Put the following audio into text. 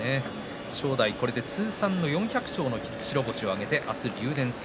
正代、これで通算４００勝の白星を挙げて明日は竜電戦。